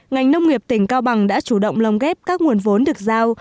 ngành nông nghiệp tỉnh cao bằng đã chủ động lồng ghép các nguồn vốn được giao